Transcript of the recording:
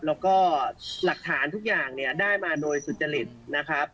แล้วก็หลักฐานทุกอย่างเนี่ยได้มาโดยสุจริตนะครับ